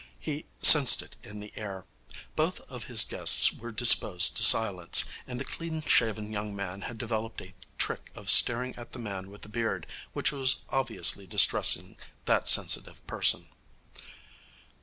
He sensed it in the air. Both of his guests were disposed to silence, and the clean shaven young man had developed a trick of staring at the man with the beard, which was obviously distressing that sensitive person.